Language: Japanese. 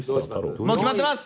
もう決まってます！